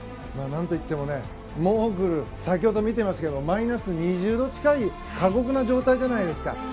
何といってもモーグルは先ほど見ていましたけどマイナス２０度近い過酷な状態じゃないですか。